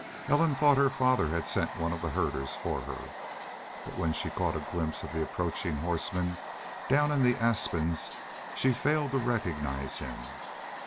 Ellen thought her father had sent one of the herders for her. But when she caught a glimpse of the approaching horseman, down in the aspens, she failed to recognize him.